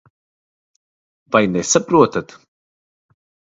Vai nesaprotat?